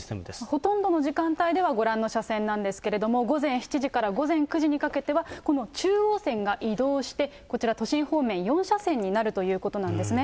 ほとんどの時間帯ではご覧の車線なんですけれども、午前７時から午前９時にかけてはこの中央線が移動して、こちら、都心方面４車線になるということなんですね。